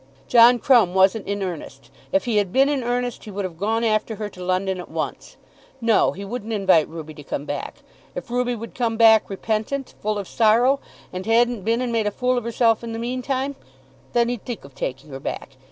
John Crumb wasn't in earnest. If he had been in earnest he would have gone after her to London at once. No; he wouldn't invite Ruby to come back. If Ruby would come back, repentant, full of sorrow, and hadn't been and made a fool of herself in the meantime, then he'd think of taking her back.